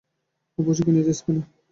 ও প্রশিক্ষণ নিয়েছে স্পেনে।